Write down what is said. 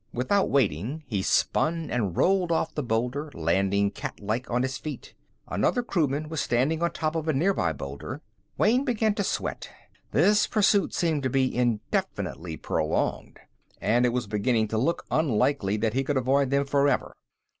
Without waiting, he spun and rolled off the boulder, landing cat like on his feet. Another crewman was standing on top of a nearby boulder. Wayne began to sweat; this pursuit seemed to be indefinitely prolonged, and it was beginning to look unlikely that he could avoid them forever.